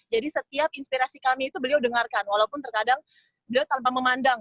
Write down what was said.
jadi setiap inspirasi kami itu beliau dengarkan walaupun terkadang beliau tanpa memandang